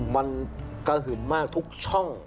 มันกะหืนมากทุกช่อง